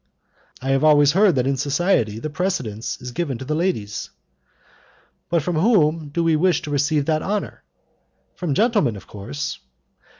"I have always heard that in society the precedence is given to the ladies." "But from whom do we wish to receive that honour?" "From gentlemen, of course."